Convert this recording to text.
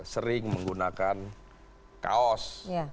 sering menggunakan kaos